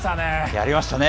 やりましたね。